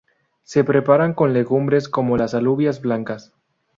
Se preparan con legumbres como las alubias blancas.